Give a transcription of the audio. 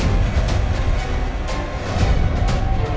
aku berpikir aja mas senjata